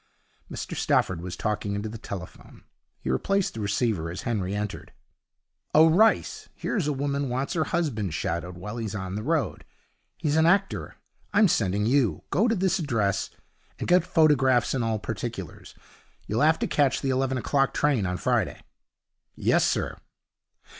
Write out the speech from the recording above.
Mr Stafford was talking into the telephone. He replaced the receiver as Henry entered. 'Oh, Rice, here's a woman wants her husband shadowed while he's on the road. He's an actor. I'm sending you. Go to this address, and get photographs and all particulars. You'll have to catch the eleven o'clock train on Friday.' 'Yes, sir.'